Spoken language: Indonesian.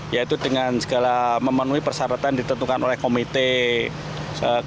yaitu dengan memenuhi persyaratan ditentukan oleh komite keselamatan